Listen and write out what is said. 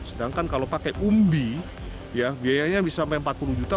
sedangkan kalau pakai umbi biayanya bisa sampai empat puluh juta